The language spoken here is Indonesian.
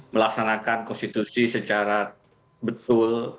melaksanakan konstitusi secara betul